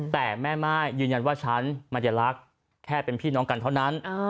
แต่แม่ม่ายยืนยันว่าฉันมันจะรักแค่เป็นพี่น้องกันเท่านั้น